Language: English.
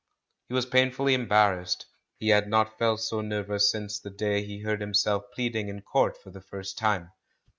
He was painfully embarrassed ; he had not felt so nervous since the day he heard himself plead ing in court for the first time.